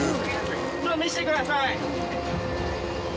見せてください！